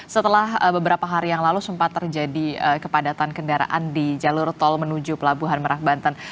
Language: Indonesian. setelah beberapa hari yang lalu sempat terjadi kepadatan kendaraan di jalur tol menuju pelabuhan merak banten